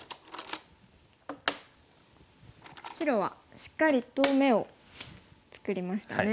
白はしっかりと眼を作りましたね。